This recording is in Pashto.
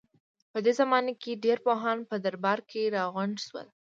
په دې زمانه کې ډېر پوهان په درباره کې راغونډ شول.